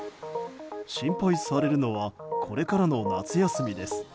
心配されるのはこれからの夏休みです。